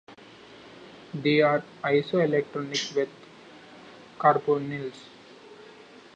They are isoelectronic with carbonyls.